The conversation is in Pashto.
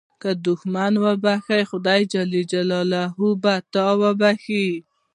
که دوښمن وبخښې، خدای جل جلاله به تا وبخښي.